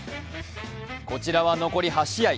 こちらは残り８試合。